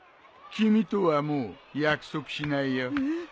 君とはもう約束しないよ。